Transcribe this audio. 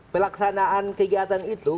pelaksanaan kegiatan itu